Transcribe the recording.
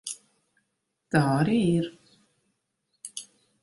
Tā arī ir.